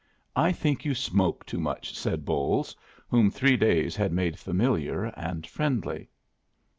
"I think you smoke too much," said Bolles, whom three days had made familiar and friendly.